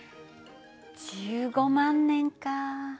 １５万年か。